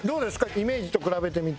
イメージと比べてみて。